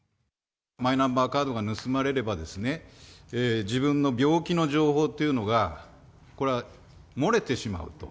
マイナンバーカードが盗まれればですね、自分の病気の情報というのが、これは漏れてしまうと。